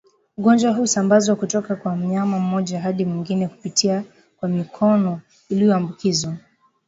Ugonjwa huu husambazwa kutoka kwa mnyama mmoja hadi mwingine kupitia kwa mikono iliyoambukizwa